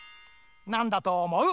なんだとおもう？